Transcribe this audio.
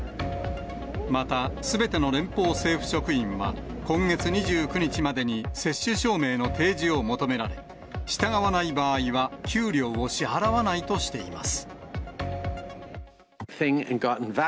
また、すべての連邦政府職員は、今月２９日までに接種証明の提示を求められ、従わない場合は給料を支払わないとしています。